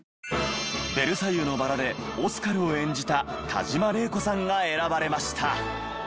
『ベルサイユのばら』でオスカルを演じた田島令子さんが選ばれました。